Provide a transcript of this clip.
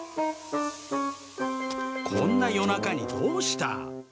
こんな夜中にどうした？